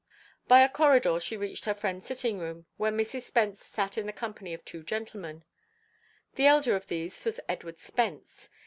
By a corridor she reached her friends' sitting room, where Mrs. Spence sat in the company of two gentlemen. The elder of these was Edward Spence.